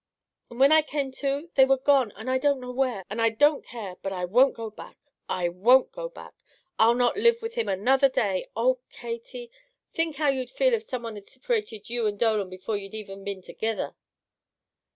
"And whin I came to, they were gone, and I don't know where, and I don't care! But I won't go back! I won't go back! I'll not live with him another day. Oh, Katy! Think how you'd feel if some one had siparated you and Dolan before you'd iver been togither!"